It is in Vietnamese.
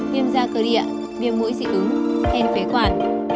viêm da cơ địa viêm mũi dị ứng hen phế quản